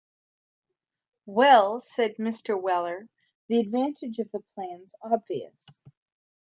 ‘Well,’ said Mr. Weller, ‘the advantage of the plan’s obvious.